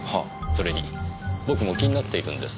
それに僕も気になっているんです。